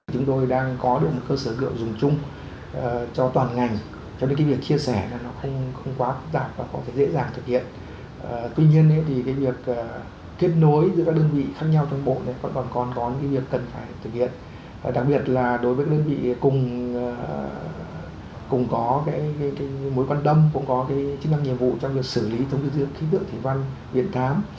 đồng bằng sông cửu long cũng có chức năng nhiệm vụ trong việc xử lý thông tin dưỡng khí tượng thủy văn viện thám